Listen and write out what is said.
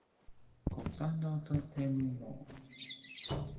Consacaaixaj ha teemyo.